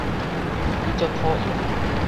你足討厭